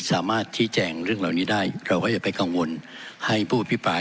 สามารถชี้แจงเรื่องเหล่านี้ได้เราก็อย่าไปกังวลให้ผู้อภิปราย